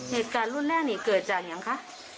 เหตุการณ์รุ่นแรกนี่เกิดจากยังคะ